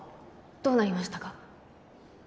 どうなりましたか？